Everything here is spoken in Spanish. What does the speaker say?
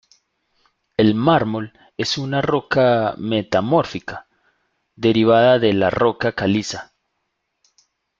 El mármol es una roca metamórfica derivada de la roca caliza.